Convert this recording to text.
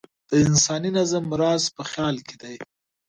د انساني نظم راز په خیال کې دی.